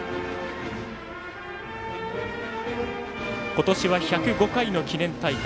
今年は１０５回の記念大会。